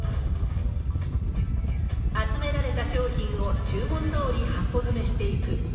集められた商品を注文どおり箱詰めしていく。